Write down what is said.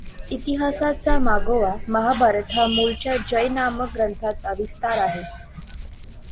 इतिहासाचा मागोवा महाभारत हा मूळच्या जय नामक ग्रंथाचा विस्तार आहे.